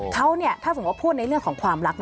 เขาถ้าสมมุติพูดในเรื่องของความรัก